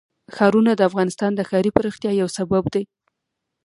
ښارونه د افغانستان د ښاري پراختیا یو سبب دی.